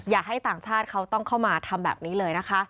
ให้ต่างชาติเขาต้องเข้ามาทำแบบนี้เลยนะคะ